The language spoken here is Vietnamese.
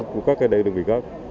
của các đơn vị gốc